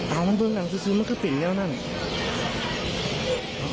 อ๊าวมันเบิ้มหนังซื้อซื้อมันก็เปลี่ยนจริงจริง